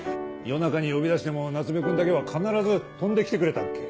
夜中に呼び出しても夏目君だけは必ず飛んで来てくれたっけ。